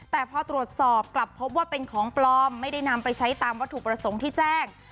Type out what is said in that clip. แต่พอตรวจสอบกลับพบว่าเป็นของปลอมไม่ได้นำไปใช้ตามวัตถุประสงค์ที่แจ้ง